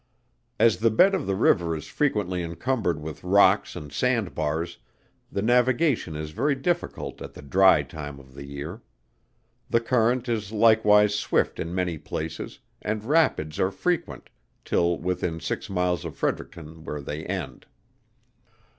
As the bed of the river is frequently encumbered with rocks and sand bars, the navigation is very difficult at the dry time of the year. The current is likewise swift in many places, and rapids are frequent, till within six miles of Fredericton, where they end.